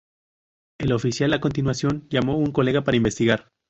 El oficial a continuación, llamó a un colega para investigar.